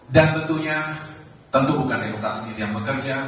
dan tentunya tentu bukan demokrat sendiri yang bekerja